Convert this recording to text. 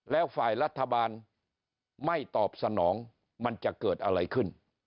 แล้วฝ่ายรัฐบาลไม่ตอบสนองมันจะเกิดอะไรขึ้น